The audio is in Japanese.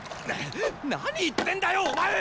何言ってんだよお前！